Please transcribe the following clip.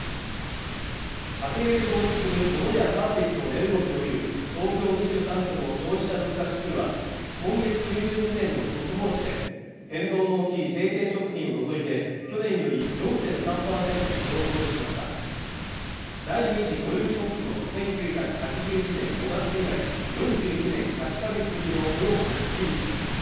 家庭で消費するモノやサービスの値動きを見る東京２３区の消費者物価指数は今月中旬時点の速報値で変動の大きい生鮮食品を除いて去年より４．３％上昇しました第２次オイルショックの１９８１年５月以来４１年８か月ぶりの大きな伸び率です